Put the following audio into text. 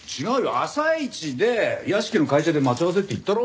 朝一で屋敷の会社で待ち合わせって言ったろ。